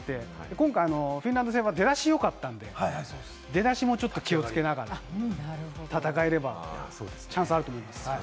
今回、フィンランド戦は出だし良かったんで、出だしもちょっと気をつけながら戦えれば、チャンスあると思います。